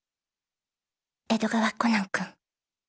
江戸川コナン君。